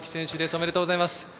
ありがとうございます。